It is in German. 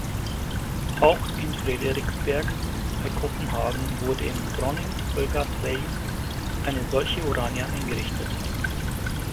Auch in Frederiksberg bei Kopenhagen wurde im Dronning Olgas vej eine solche Urania eingerichtet.